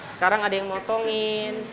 sekarang ada yang ngotongin